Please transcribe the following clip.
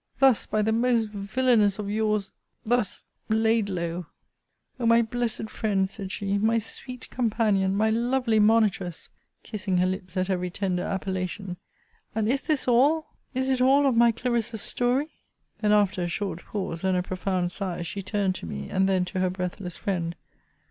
Thus by the most villanous of yours thus laid low! O my blessed Friend! said she My sweet Companion! My lovely Monitress! kissing her lips at every tender appellation. And is this all! Is it all of my CLARISSA'S story! Then, after a short pause, and a profound sigh, she turned to me, and then to her breathless friend.